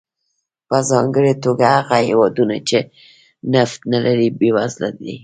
په ځانګړې توګه هغه هېوادونه چې نفت نه لري بېوزله دي.